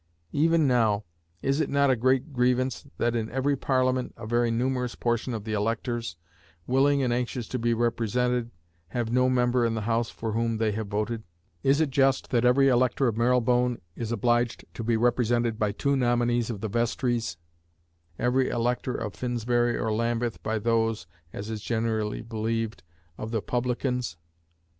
Even now, is it not a great grievance that in every Parliament a very numerous portion of the electors, willing and anxious to be represented, have no member in the House for whom they have voted? Is it just that every elector of Marylebone is obliged to be represented by two nominees of the vestries, every elector of Finsbury or Lambeth by those (as is generally believed) of the publicans?